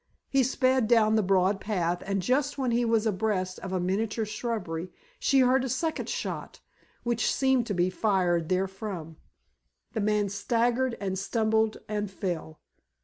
He sped down the broad path, and just when he was abreast of a miniature shrubbery, she heard a second shot, which seemed to be fired there from. The man staggered, and stumbled and fell.